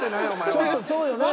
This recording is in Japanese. ちょっとそうよな。